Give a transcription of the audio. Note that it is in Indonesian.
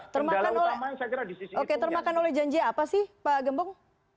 termakan termakan oleh janji apa sih pak gembong